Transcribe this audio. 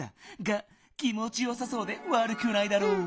が気もちよさそうでわるくないだろう。